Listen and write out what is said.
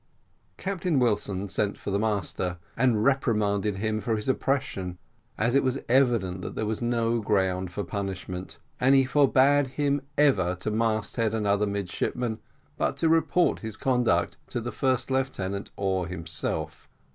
Captain Wilson sent for the master, and reprimanded him for his oppression, as it was evident that there was no ground for punishment, and he forbade him ever to mast head another midshipman, but to report his conduct to the first lieutenant or himself.